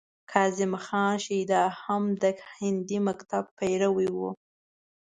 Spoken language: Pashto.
کاظم خان شیدا هم د هندي مکتب پیرو و.